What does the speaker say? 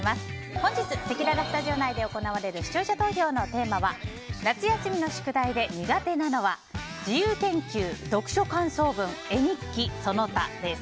本日せきららスタジオ内で行われる視聴者投票のテーマは夏休みの宿題で苦手なのは自由研究・読書感想文絵日記・その他です。